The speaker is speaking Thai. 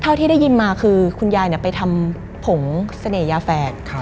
ที่ได้ยินมาคือคุณยายไปทำผงเสน่หยาแฝด